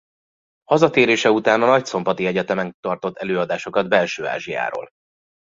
Hazatérése után a nagyszombati egyetemen tartott előadásokat Belső-Ázsiáról.